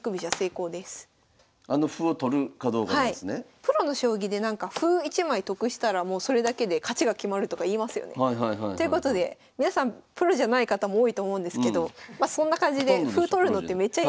プロの将棋でなんか歩１枚得したらもうそれだけで勝ちが決まるとか言いますよね。ということで皆さんプロじゃない方も多いと思うんですけどまそんな感じで歩取るのってめっちゃいい。